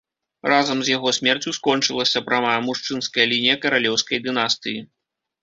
Разам з яго смерцю скончылася прамая мужчынская лінія каралеўскай дынастыі.